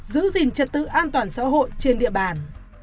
giữ gìn trật tự an toàn xã hội trên địa bàn